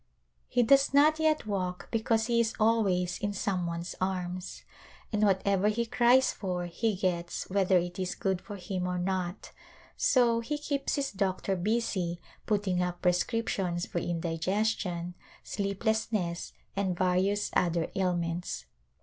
He does not yet walk because he is always in some one's arms, and whatever he cries for he gets whether it is good for him or not, so he keeps his doctor busy putting up prescriptions for indiges tion, sleeplessness and various other ailments.